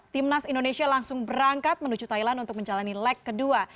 timnas indonesia langsung berangkat menuju thailand untuk menjalani leg kedua